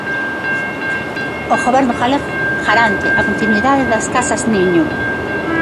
O Goberno galego garante a continuidade das Casas Niño.